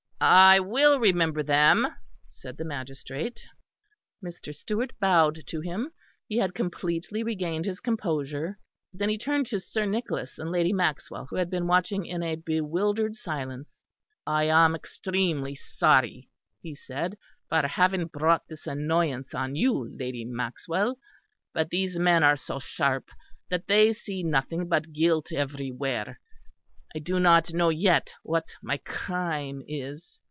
"I will remember them," said the magistrate. Mr. Stewart bowed to him; he had completely regained his composure. Then he turned to Sir Nicholas and Lady Maxwell, who had been watching in a bewildered silence. "I am exceedingly sorry," he said, "for having brought this annoyance on you, Lady Maxwell; but these men are so sharp that they see nothing but guilt everywhere. I do not know yet what my crime is.